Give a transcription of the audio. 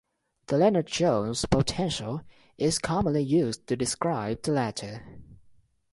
The Lennard-Jones potential is commonly used to describe the latter.